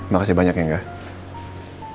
makasih banyak ya enggak